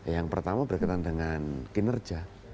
yang pertama berkaitan dengan kinerja